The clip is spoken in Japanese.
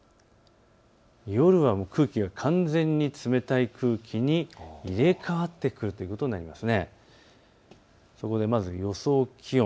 夜は空気が完全に冷たい空気に入れ替わってくるということになります。